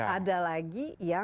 ada lagi yang justru